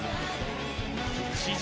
史上